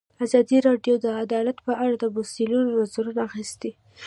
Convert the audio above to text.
ازادي راډیو د عدالت په اړه د مسؤلینو نظرونه اخیستي.